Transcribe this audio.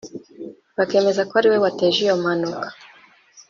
bakemeza ko ari we wateje iyo mpanuka